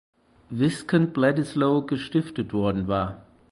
Viscount Bledisloe gestiftet worden war.